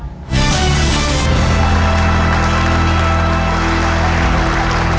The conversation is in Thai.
โจทย์และกฎิการสำหรับข้อนี้นะครับคุณผู้ชมคือ